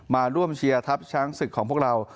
มาร่วมเชียร์ทัพช้างศึกของพวกเรา